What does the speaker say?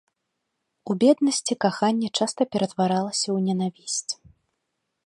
У беднасці каханне часта ператваралася ў нянавісць.